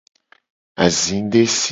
Azi desi.